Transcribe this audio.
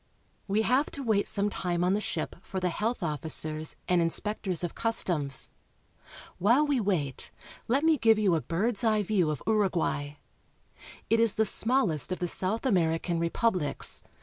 We have to wait some time on the ship for the health officers and inspectors of customs. While we wait, let me give you a bird's eye view of Uruguay. It is the smallest of the South American republics.